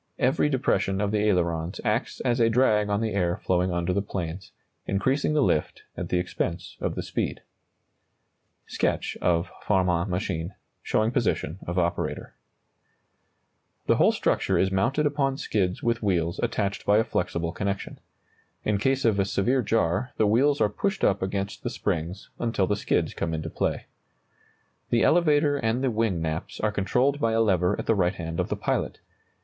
Every depression of the ailerons acts as a drag on the air flowing under the planes, increasing the lift at the expense of the speed. [Illustration: Sketch of Farman machine, showing position of operator. A, A, main planes; B, elevator; C, motor; P, tail planes.] The whole structure is mounted upon skids with wheels attached by a flexible connection. In case of a severe jar, the wheels are pushed up against the springs until the skids come into play. The elevator and the wing naps are controlled by a lever at the right hand of the pilot.